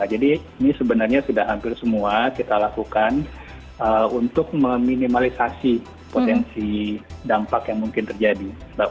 jadi ini sebenarnya sudah hampir semua kita lakukan untuk meminimalisasi potensi dampak yang mungkin terjadi